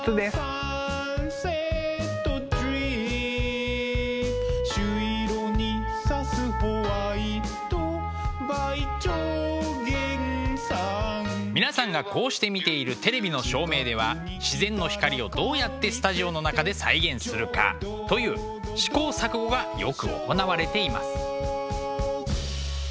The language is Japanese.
「サンセットドリーム」皆さんがこうして見ているテレビの照明では自然の光をどうやってスタジオの中で再現するかという試行錯誤がよく行われています。